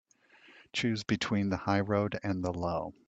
Choose between the high road and the low.